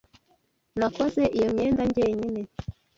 Nakoze iyo myenda njyenyine.